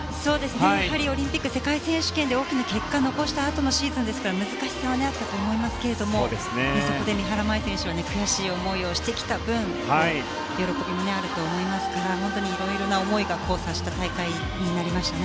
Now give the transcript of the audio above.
やはりオリンピック世界選手権で大きな結果を残したあとのシーズンですから難しさはあったと思いますがそこで三原舞依選手は悔しい思いをしてきた分喜びもあると思いますから本当に色々な思いが交差した大会になりましたね。